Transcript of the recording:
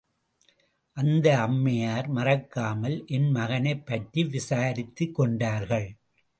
அந்த அம்மையார் மறக்காமல் என் மகனைப் பற்றி விசாரித்துக் கொண்டார்கள்.